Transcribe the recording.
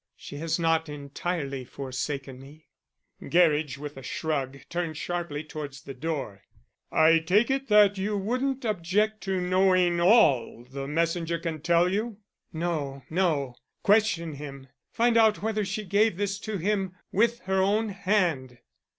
She has not entirely forsaken me." Gerridge with a shrug turned sharply towards the door. "I take it that you wouldn't object to knowing all the messenger can tell you?" "No, no. Question him. Find out whether she gave this to him with her own hand."